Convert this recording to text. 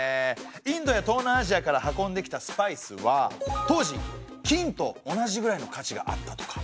インドや東南アジアから運んできたスパイスは当時金と同じぐらいの価値があったとか。